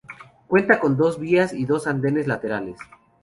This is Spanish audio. Cuenta con dos vías y dos andenes laterales.